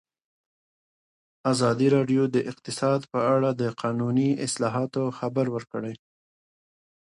ازادي راډیو د اقتصاد په اړه د قانوني اصلاحاتو خبر ورکړی.